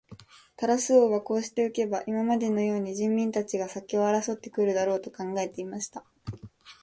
タラス王はこうしておけば、今までのように人民たちが先を争って来るだろう、と考えていました。